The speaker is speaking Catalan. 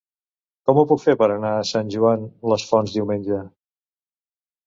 Com ho puc fer per anar a Sant Joan les Fonts diumenge?